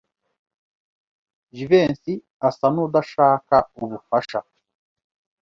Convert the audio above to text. Jivency asa nkudashaka ubufasha.